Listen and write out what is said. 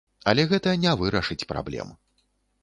Але гэта не вырашыць праблем.